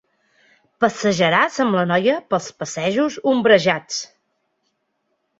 Passejaràs amb la noia pels passejos ombrejats.